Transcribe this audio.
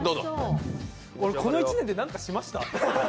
俺、この１年で何かしました？